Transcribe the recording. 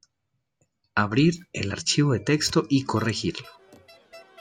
Abrir el archivo de texto y corregirlo.